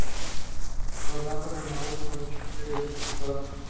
Por tanto, renovó su condición de diputada.